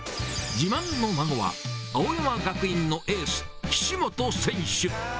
自慢の孫は、青山学院のエース、岸本選手。